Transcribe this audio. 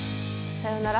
さよなら。